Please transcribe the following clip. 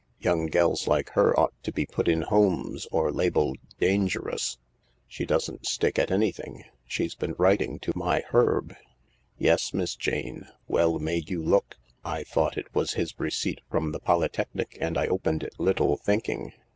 ''Young gells like her ought to be put in homes, or labelled ' Dangerous.' She doesn't stick at anything. She's been writing to my Herb. Yes, Miss Jane, well may you look I I thought it was his receipt from the Polytechnic and I opened it, little thinking.